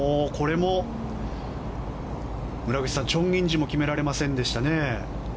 村口さん、チョン・インジも決められませんでしたね。